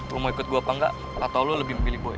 kalau mau ikut gue apa enggak atau lo lebih memilih boy